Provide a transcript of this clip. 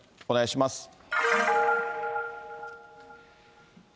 お願いします。